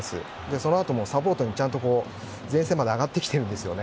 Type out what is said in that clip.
そのあともサポートのために前線まで上がってきているんですね。